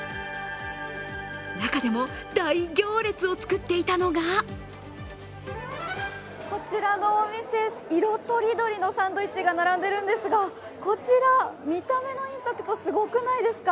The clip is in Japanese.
中でも大行列を作っていたのがこちらのお店、色とりどりのサンドイッチが並んでいるんですがこちら、見た目のインパクト、すごくないですか。